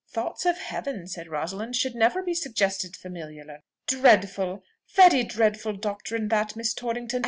"Thoughts of heaven," said Rosalind, "should never be suggested familiarly." "Dreadful very dreadful doctrine that, Miss Torrington!